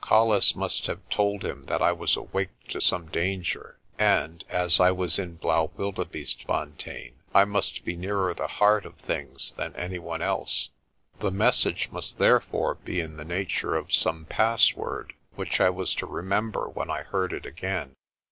Colles must have told him that I was awake to some danger, and as I was in Blaauwildebeestefontein, I must be nearer the heart of things than any one else. The ' A species of buck. 86 PRESTER JOHN message must therefore be in the nature of some password, which I was to remember when I heard it again.